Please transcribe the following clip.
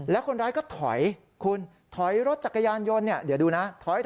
แล้วคนร้ายก็ถอยคุณถอยรถจักรยานยนต์เนี่ยเดี๋ยวดูนะ